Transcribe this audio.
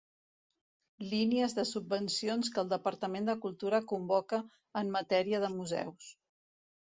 Línies de subvencions que el Departament de Cultura convoca en matèria de museus.